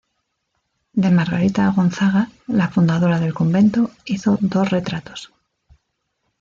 De Margarita Gonzaga, la fundadora del convento, hizo dos retratos.